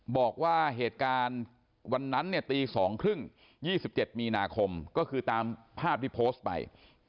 บอกว่าเหตุการณ์วันนั้นเนี่ยตี๒๓๐๒๗มีนาคมก็คือตามภาพที่โพสต์ไป